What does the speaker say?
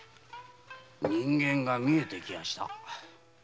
人間が見えてきやした。